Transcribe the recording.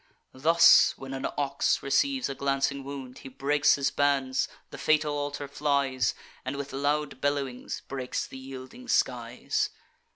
Thus, when an ox receives a glancing wound, He breaks his bands, the fatal altar flies, And with loud bellowings breaks the yielding skies.